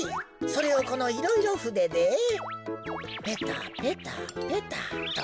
それをこのいろいろふででペタペタペタと。